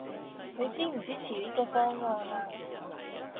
你支唔支持呢個方案呀